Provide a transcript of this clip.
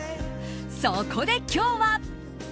そこで今日は。